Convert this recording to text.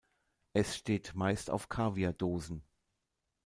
Es steht meist auf Kaviar-Dosen.